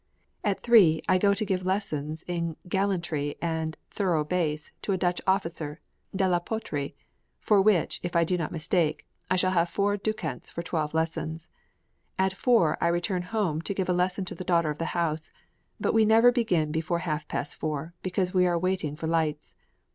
At three, I go to give lessons in gallantry and thorough bass to a Dutch {SCHWEITZER'S "ROSAMUNDE."} (401) officer (De la Potrie), for which, if I do not mistake, I shall have four ducats for twelve lessons. At four I return home to give a lesson to the daughter of the house: but we never begin before half past four, because we are waiting for lights.